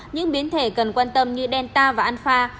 những biến thể cần quan tâm như delta và alfa